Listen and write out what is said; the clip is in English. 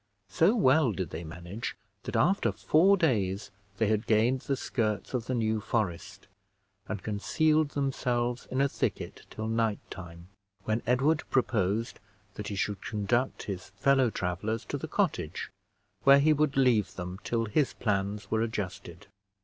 So well did they manage, that after four days they had gained the skirts of the New Forest, and concealed themselves in a thicket till night time, when Edward proposed that he should conduct his fellow travelers to the cottage, where he would leave them till his plans were adjusted.